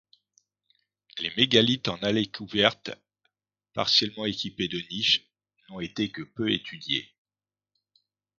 Les mégalithes en allée couverte, partiellement équipés de niches, n'ont été que peu étudiés.